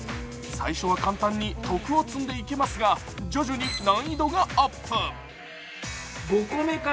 最初は簡単に徳を積んでいけますが、徐々に難易度がアップ。